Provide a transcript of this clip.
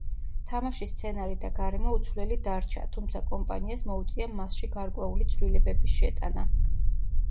თამაშის სცენარი და გარემო უცვლელი დარჩა, თუმცა კომპანიას მოუწია მასში გარკვეული ცვლილებების შეტანა.